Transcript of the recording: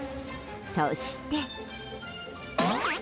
そして。